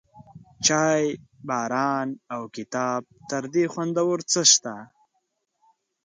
چای، باران، او کتاب، تر دې خوندور څه شته؟